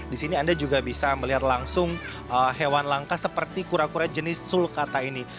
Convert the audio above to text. di sini anda juga bisa melihat langsung hewan langka seperti kura kura jenis sulkata ini